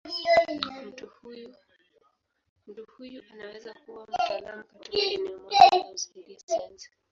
Mtu huyo anaweza kuwa mtaalamu katika eneo moja au zaidi ya sayansi.